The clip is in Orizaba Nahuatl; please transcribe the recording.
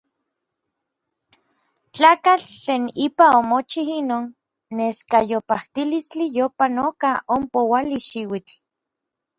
Tlakatl tlen ipa omochij inon neskayopajtilistli yopanoka ompouali xiuitl.